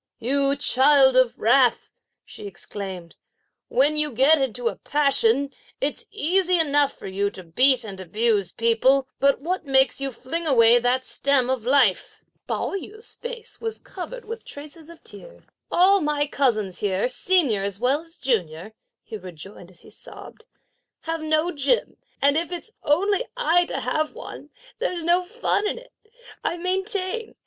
"You child of wrath," she exclaimed. "When you get into a passion, it's easy enough for you to beat and abuse people; but what makes you fling away that stem of life?" Pao yü's face was covered with the traces of tears. "All my cousins here, senior as well as junior," he rejoined, as he sobbed, "have no gem, and if it's only I to have one, there's no fun in it, I maintain!